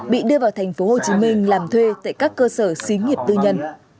bị đưa vào thành phố hồ chí minh làm thuê tại các cơ sở xí nghiệp tư nhân